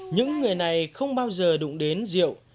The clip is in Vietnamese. những người này không bao giờ đụng đến diệu